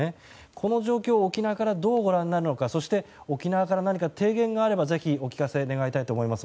この状況を沖縄からどうご覧になるのかそして沖縄から何か提言があればぜひお聞かせ願いたいと思います。